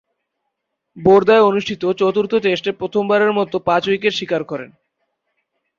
বোর্দায় অনুষ্ঠিত চতুর্থ টেস্টে প্রথমবারের মতো পাঁচ উইকেট শিকার করেন।